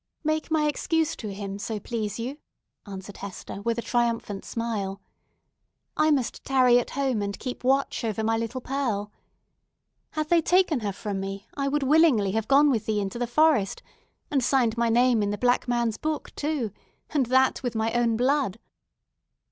"Make my excuse to him, so please you!" answered Hester, with a triumphant smile. "I must tarry at home, and keep watch over my little Pearl. Had they taken her from me, I would willingly have gone with thee into the forest, and signed my name in the Black Man's book too, and that with mine own blood!"